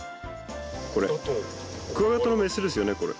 クワガタのメスですよねこれ。